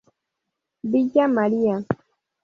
Villa María.